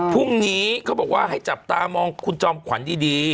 พรุ่งนี้เขาบอกว่าให้จับตามองคุณจอมขวัญดี